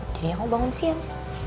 jadinya kamu bangun siang